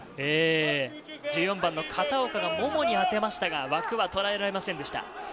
１４番の片岡がももに当てましたが枠は捉えられませんでした。